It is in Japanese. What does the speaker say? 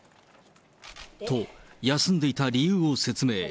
と、休んでいた理由を説明。